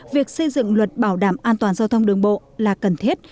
việc xây dựng luật bảo đảm an toàn giao thông đường bộ là cần thiết